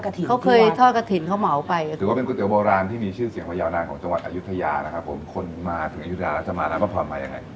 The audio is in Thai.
หรือว่าเป็นกุ๋ติวโบราณที่มีชื่อเสียงไปอยาวนาดจังหวัดอายุทยา